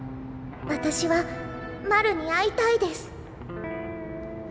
私はマルに会いたいです！！」。